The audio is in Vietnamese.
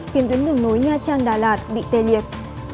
khiến tuyến đường nối nha trang đà lạt bị tê liệt